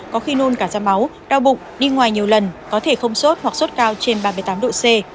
có khi nôn cả da máu đau bụng đi ngoài nhiều lần có thể không sốt hoặc sốt cao trên ba mươi tám độ c